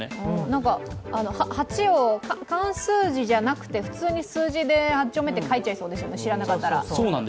なんか、八を漢数字じゃなくて普通に数字で８丁目って書いちゃいそうですよね、知らなかったら。